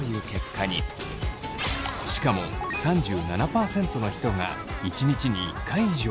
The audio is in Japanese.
しかも３７％の人が１日に１回以上。